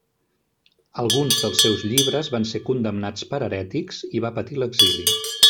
Alguns dels seus llibres van ser condemnats per herètics i va patir l'exili.